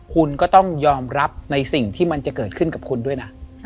คุณก็ต้องยอมรับในสิ่งที่มันจะเกิดขึ้นกับคุณด้วยนะ